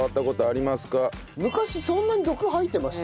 昔そんなに毒吐いてました？